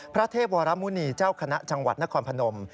พระเทพวรมุณีเจ้าคณะจังหวัดนครพนม